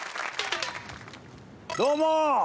どうも！